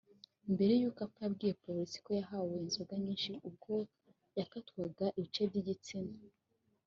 Mbere y’uko apfa yabwiye polisi ko yahawe inzoga nyinshi ubwo yakatwaga ibice by’igitsina